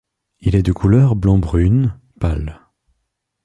Il est de couleur blanc-brune pâle.